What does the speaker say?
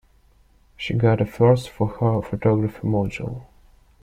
She got a first for her photography module.